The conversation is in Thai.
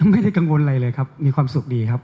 ไม่ได้กังวลอะไรเลยครับมีความสุขดีครับ